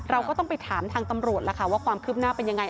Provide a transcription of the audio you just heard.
เราก็ต้องไปถามทางตำรวจล่ะค่ะว่าความคืบหน้าเป็นยังไง